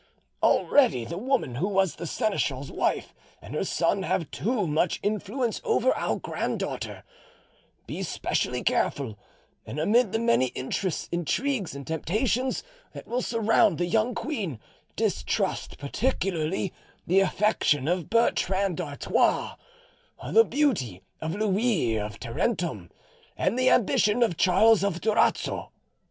Already the woman who was the seneschal's wife and her son have too much influence over our grand daughter; be specially careful, and amid the many interests, intrigues, and temptations that will surround the young queen, distrust particularly the affection of Bertrand d'Artois, the beauty of Louis of Tarentum; and the ambition of Charles of Durazzo."